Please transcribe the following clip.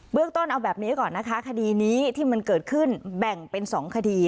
เรื่องต้นเอาแบบนี้ก่อนนะคะคดีนี้ที่มันเกิดขึ้นแบ่งเป็น๒คดี